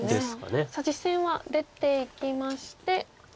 実戦は出ていきまして。